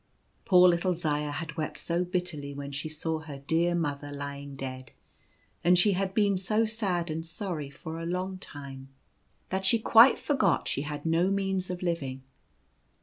Poor little Zaya had wept so bitterly when she saw her dear mother lying dead, and she had been so sad and sorry for a long time, that she quite forgot that she had 48 Flower Making. no means of living.